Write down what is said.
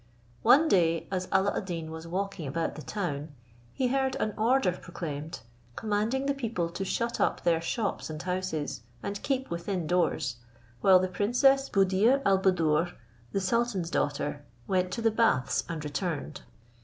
One day as Alla ad Deen was walking about the town, he heard an order proclaimed, commanding the people to shut up their shops and houses, and keep within doors, while the princess Buddir al Buddoor, the sultan's daughter, went to the baths and returned.